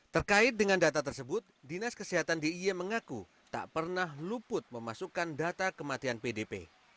terkait dengan data tersebut dinas kesehatan d i y mengaku tak pernah luput memasukkan data kematian pdp